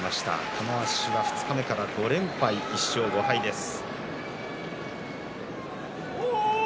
玉鷲は二日目から５連敗１勝５敗です。